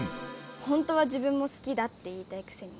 ほんとは自分も好きだって言いたいくせに。